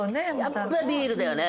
やっぱビールだよね。